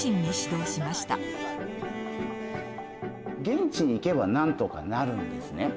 現地に行けばなんとかなるんですね。